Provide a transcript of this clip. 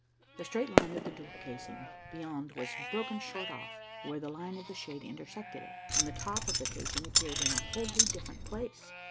The straight line of the door casing beyond was broken short off where the line of the shade intersected it, and the top of the casing appeared in a wholly different place.